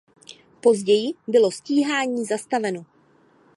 Později bylo stíhání zastaveno.